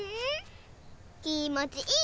きもちいい！